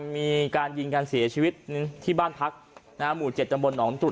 มีการยิงการเสียชีวิตที่บ้านพักนะฮะหมู่เจ็ดจำบลหนองจุด